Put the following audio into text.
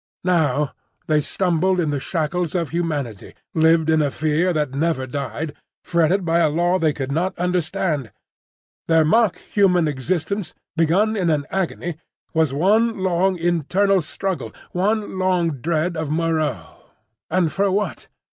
Now they stumbled in the shackles of humanity, lived in a fear that never died, fretted by a law they could not understand; their mock human existence, begun in an agony, was one long internal struggle, one long dread of Moreau—and for what?